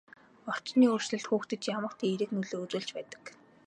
Орчны өөрчлөлт хүүхдэд ямагт эерэг нөлөө үзүүлж байдаг юм.